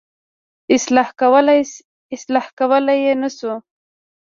اصلاح کولای یې نه شو.